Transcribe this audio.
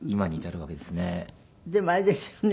でもあれですよね。